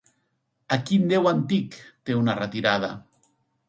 A quin déu antic té una retirada?